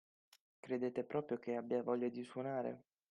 Credete proprio che abbia voglia di suonare?